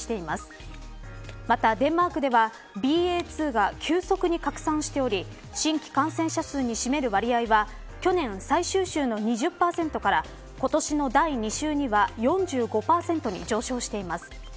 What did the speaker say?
また、デンマークではＢＡ．２が急速に拡散しており新規感染者数に占める割合は去年最終週の２０％から今年の第２週には４５％に上昇しています。